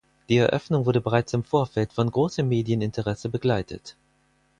Die Eröffnung wurde bereits im Vorfeld von großem Medieninteresse begleitet.